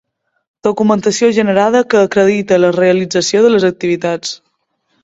Documentació generada que acredita la realització de les activitats.